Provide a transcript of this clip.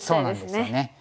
そうなんですよね。